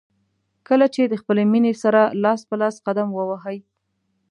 کله چې د خپلې مینې سره لاس په لاس قدم ووهئ.